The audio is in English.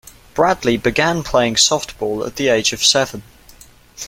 Bradley began playing softball at the age of seven.